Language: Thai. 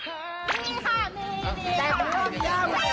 แกก็ไม่รอดอย่างเดียว